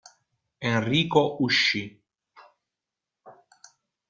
Enrico uscì.